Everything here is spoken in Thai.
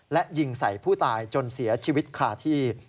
และยิงใส่ผู้ตายจนเสียชีวิตคาที่